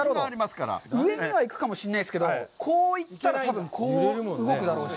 上には行くかもしれないですけど、こういったら多分こう動くだろうし。